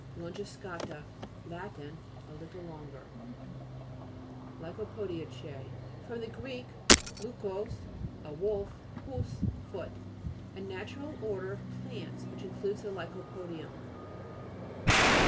LONGISCA'TA Lat. A little longer. LT'COPO'DIA'CEJE fr. gr. lukos, a wolf, pous, foot. A natural order of plants which includes the ly'co po'dium.